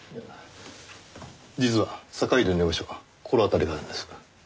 実は坂出の居場所心当たりがあるんです。